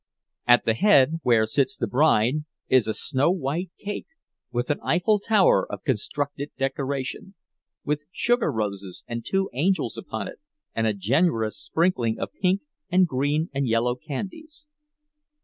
At the head, where sits the bride, is a snow white cake, with an Eiffel tower of constructed decoration, with sugar roses and two angels upon it, and a generous sprinkling of pink and green and yellow candies.